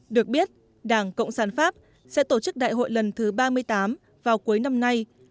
được biết đảng cộng sản pháp sẽ tổ chức đại hội lần thứ ba mươi tám vào cuối năm nay